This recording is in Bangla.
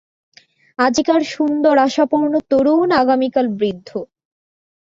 আজিকার সুন্দর আশাপূর্ণ তরুণ আগামীকাল বৃদ্ধ।